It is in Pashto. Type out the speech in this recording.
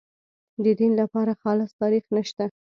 د دین لپاره خالص تاریخ نشته.